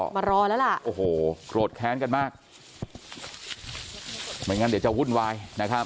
มารอแล้วล่ะโอ้โหโกรธแค้นกันมากไม่งั้นเดี๋ยวจะวุ่นวายนะครับ